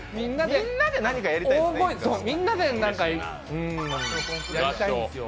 みんなで何かやりたいですよ。